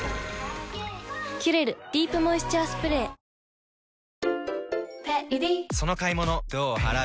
「キュレルディープモイスチャースプレー」さぁ